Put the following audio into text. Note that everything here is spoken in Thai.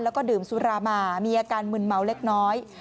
แล้วก็ดื่มสุรามามีอาการมึนเมาเล็กน้อย